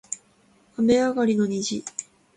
雨上がりの虹